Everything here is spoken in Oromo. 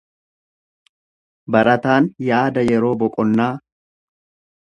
Barataan yaada yeroo boqonnaa.